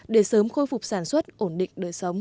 để sớm khôi phục sản xuất ổn định